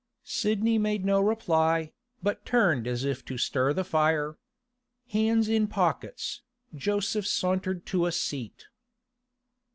Sidney made no reply, but turned as if to stir the fire. Hands in pockets, Joseph sauntered to a seat.